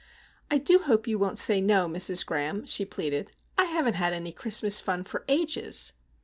"I do hope you won't say no, Mrs. Graham," she pleaded. "I haven't had any Christmas fun—for ages!"